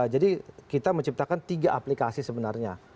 jadi kita menciptakan tiga aplikasi sebenarnya